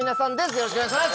よろしくお願いします。